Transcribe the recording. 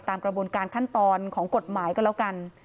กระบวนการขั้นตอนของกฎหมายก็แล้วกัน